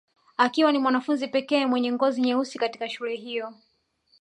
Akiwa ni mwanafunzi pekee mwenye ngozi nyeusi katika shule hiyo